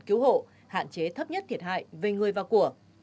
cứu hộ hạn chế thấp nhất thiệt hại về người và của